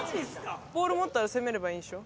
ボール持ったら攻めればいいんでしょ？